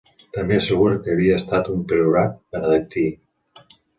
També assegura que havia estat un priorat benedictí.